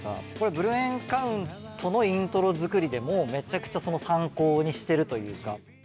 ＢＬＵＥＥＮＣＯＵＮＴのイントロ作りでもめちゃくちゃ参考にしてるというか。